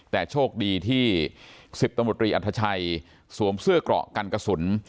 แต่โชคดีที่๑๐ตำรวจรีอัธชัยสวมเสื้อเกราะกันกระสุน